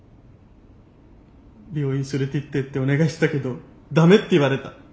病院連れてってってお願いしたけど駄目って言われた。